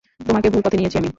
তোমাকে ভুল পথে নিয়েছি আমি।